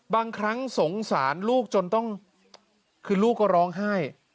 บางครั้งสงสารลูกจนต้องคือลูกก็ร้องไห้